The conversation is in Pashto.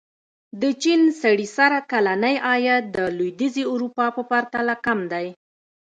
د چین سړي سر کلنی عاید د لوېدیځې اروپا په پرتله کم دی.